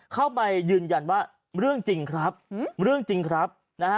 เข้าไปยืนยันว่าเรื่องจริงครับเรื่องจริงครับนะฮะ